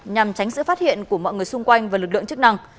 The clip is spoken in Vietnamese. nhằm tránh sự phát hiện của mọi người xung quanh và lực lượng chức năng